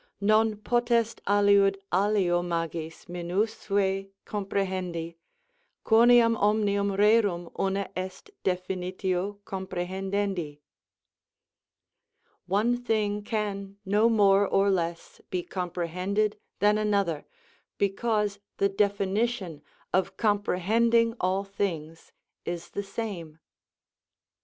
Non potest aliud alio magis minusve comprehendi, quoniam omnium rerum una est dejinitio comprehendendi: "One thing can no more or less be comprehended than another, because the definition of comprehending all things is the same."